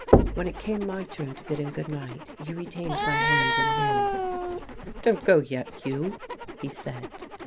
When it came my turn to bid him good night, he retained my hand in his. "Don't go yet, Hugh," he said.